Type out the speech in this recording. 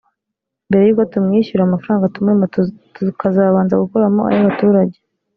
mbere y’uko tumwishyura amafaranga tumurimo tukazabanza gukuramo ay’abaturage